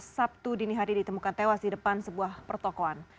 sabtu dini hari ditemukan tewas di depan sebuah pertokoan